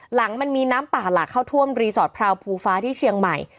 หลังมันมีน้ำป่าหลากเข้าท่วมรีสอร์ทพราวภูฟ้าที่เชียงใหม่